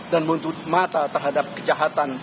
dan mundur mata terhadap kejahatan